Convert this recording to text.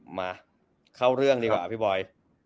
มาเข้าเรื่องดีกว่าพี่บอย